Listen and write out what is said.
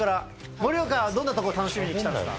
盛岡はどんなところ楽しみに来たんですか？